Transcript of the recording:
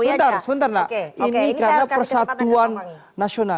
ini karena persatuan nasional